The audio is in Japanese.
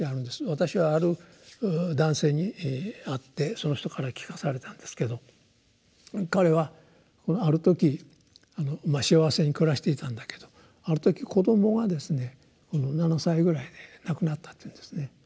私はある男性に会ってその人から聞かされたんですけど彼はある時まあ幸せに暮らしていたんだけどある時子どもがですね７歳ぐらいで亡くなったっていうんですね。